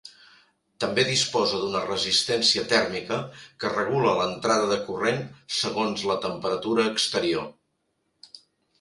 També disposa d'una resistència tèrmica que regula l'entrada de corrent segons la temperatura exterior.